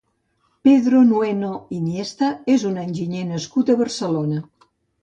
Pedro Nueno Iniesta és un enginyer nascut a Barcelona.